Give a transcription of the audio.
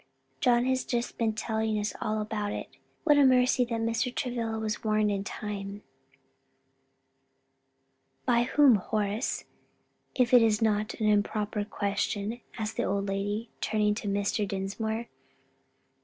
"John has just been telling us all about it. What a mercy that Mr. Travilla was warned in time!" "By whom, Horace? if it be not an improper question," asked the old lady, turning to Mr. Dinsmore.